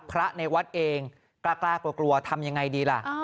พระในวัดเองกล้ากลัวทำยังไงดีล่ะ